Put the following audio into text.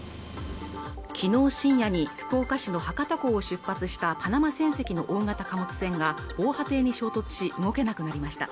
昨日深夜に福岡市の博多港を出発したパナマ船籍の大型貨物船が防波堤に衝突し動けなくなりました